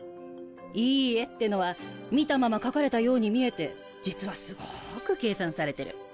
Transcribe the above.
いい絵ってのは見たまま描かれたように見えて実はすごく計算されてる。